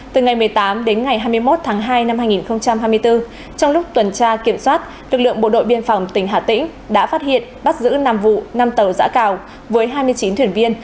từ ngày một mươi tám đến ngày hai mươi một tháng hai năm hai nghìn hai mươi bốn trong lúc tuần tra kiểm soát lực lượng bộ đội biên phòng tỉnh hà tĩnh đã phát hiện bắt giữ năm vụ năm tàu giã cào với hai mươi chín thuyền viên